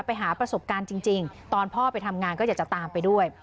ไปหาประสบการณ์จริงตอนพ่อไปทำงานก็อยากจะตามไปด้วย